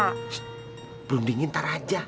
shhh berundingin ntar aja